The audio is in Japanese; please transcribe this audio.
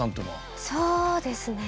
そうですね。